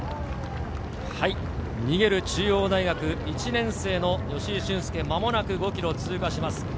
逃げる中央大学・１年生の吉居駿恭、まもなく５ｋｍを通過します。